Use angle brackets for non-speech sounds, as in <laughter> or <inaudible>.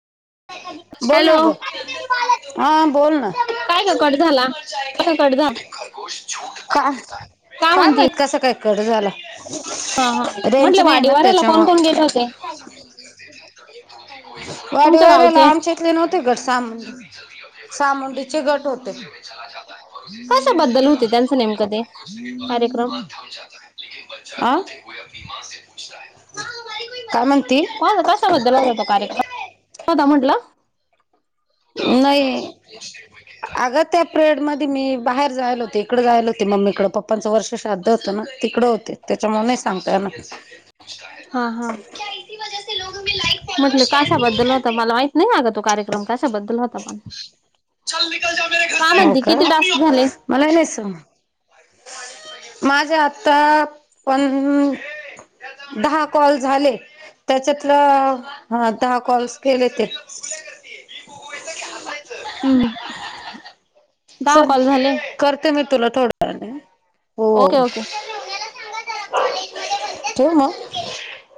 बोल हॅलो ना ग, हां बोल ना काय कट झाला ग कसा कट झाला काय? का काय म्हणती माहित कसं काय कट झाला, हा हा रेंज म्हटलं नाही ना वाडीवाऱ्याला कोण त्याच्यामूळ. कोण <inaudible> या तुमच्या वेळेला गावचे आमच्यातले नव्हते घट सामुं सहा मुंडीचे घट होते. कशाबद्दल होते त्यांचं नेमकं ते कार्यक्रम <inaudible> <inaudible> काय म्हणती? का ग कशाबद्दल होता कार्यक्रम होता म्हंटलं? नाही. अगं त्या पिरेड मध्ये मी बाहेर जायला होते इकडे जायला होते मम्मीकडे पप्पाकडे. पप्पाचं वर्ष श्राद्ध होत ना तिकडं होते त्याच्यामुळे नाही सांगता येणार. हा हा म्हटले कशा बद्दल होता मला माहित नाही अगं तो. कार्यक्रम कशाबद्दल होता म्हणून, का म्हणते किती टास्क झाले? मला नाही समजले. माझ्या आता पण? दहा कॉल झाले. त्याच्यातलं हा दहा कॉलसं केले तेच. हम्म, दहा चल कॉल झाले करते मी तुला थोड्या वेळानी हो ओके हो. ओके ठेऊ मग.